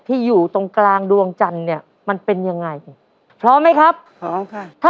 อยู่ตรงกลางดวงจันทร์เนี่ยมันเป็นยังไงพร้อมไหมครับพร้อมค่ะ